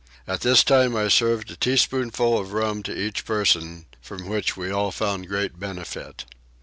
At this time I served a teaspoonful of rum to each person, from which we all found great benefit.